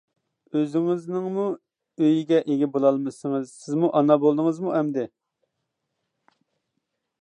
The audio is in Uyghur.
ئۆزىڭىزنىڭمۇ ئۆيىگە ئىگە بولالمىسىڭىز سىزمۇ ئانا بولدىڭىزمۇ ئەمدى؟ !